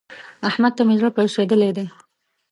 احمد ته مې زړه پړسېدلی دی.